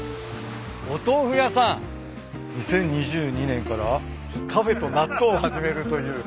２０２２年からカフェと納豆を始めるという。